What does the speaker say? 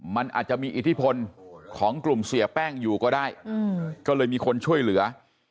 มันอาจจะมีอิทธิพลของกลุ่มเสียแป้งอยู่ก็ได้ก็เลยมีคนช่วยเหลือ